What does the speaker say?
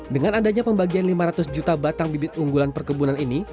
dengan adanya pembagian lima ratus juta batang bibit unggulan perkebunan ini